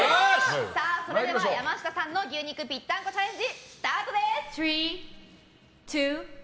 それでは、山下さんの牛肉ぴったんこチャレンジスタートです！